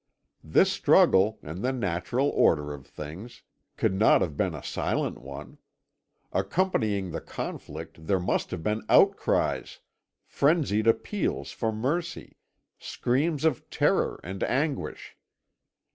"This struggle, in the natural order of things, could not have been a silent one; accompanying the conflict there must have been outcries, frenzied appeals for mercy, screams of terror and anguish.